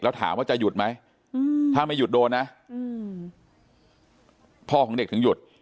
แล้วถามว่าจะหยุดไหมถ้าไม่หยุดโดนนะพ่อของเด็กถึงหยุด